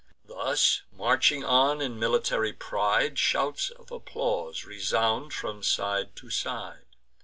Thus marching on in military pride, Shouts of applause resound from side to side.